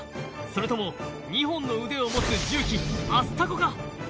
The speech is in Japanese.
それとも２本の腕を持つ重機アスタコか？